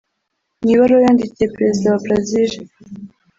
Mu ibaruwa yandikiye Perezida wa Brazil